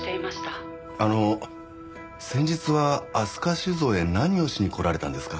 あの先日は飛鳥酒造へ何をしに来られたんですか？